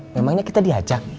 memangnya kita diajak